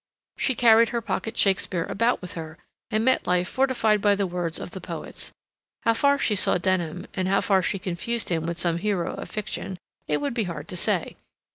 She carried her pocket Shakespeare about with her, and met life fortified by the words of the poets. How far she saw Denham, and how far she confused him with some hero of fiction, it would be hard to say.